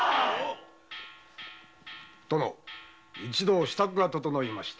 殿一同支度がととのいました。